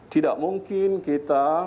tidak mungkin kita